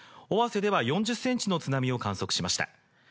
尾鷲では４０ｃｍの津波を観測しました。